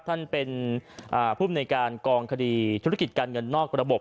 ท่านเป็นภูมิในการกองคดีธุรกิจการเงินนอกระบบ